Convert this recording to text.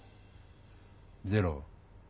ゼロ。